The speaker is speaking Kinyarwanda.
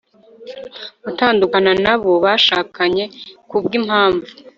gutandukana na bo bashakanye ku bw'impamvu